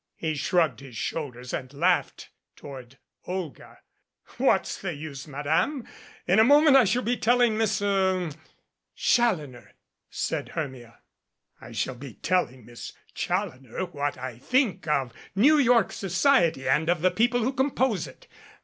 He shrugged his shoulders and laughed toward Olga. "What's the use, Madame ? In a moment I shall be telling Miss er " "Challoner," said Hermia. "I shall be telling Miss Challoner what I think of New York society and of the people who compose it.